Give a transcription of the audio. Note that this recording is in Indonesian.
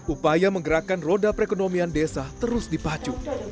upaya menggerakkan roda perekonomian desa terus dipacu